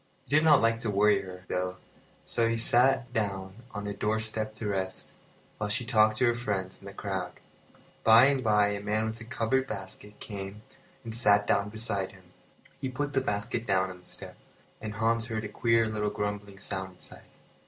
He did not like to worry her, though, so he sat down on a doorstep to rest, while she talked to her friends in the crowd. By and by a man with a covered basket came and sat down beside him. He put the basket down on the step, and Hans heard a queer little grumbling sound inside.